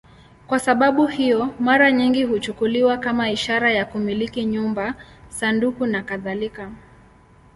Kwa sababu hiyo, mara nyingi huchukuliwa kama ishara ya kumiliki nyumba, sanduku nakadhalika.